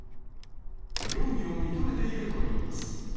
容疑を認めているといいます。